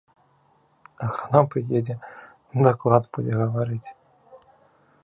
Аграном прыедзе, даклад будзе гаварыць.